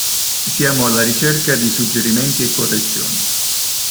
Siamo alla ricerca di suggerimenti e correzioni.